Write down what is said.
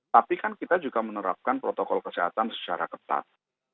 tapi kan kita juga menerapkan protokol kesehatan secara ketat